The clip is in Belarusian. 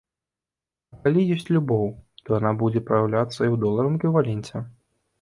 А калі ёсць любоў, то яна будзе праяўляцца і ў доларавым эквіваленце.